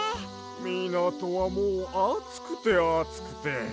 みなとはもうあつくてあつくて。